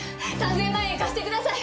３千万円貸してください！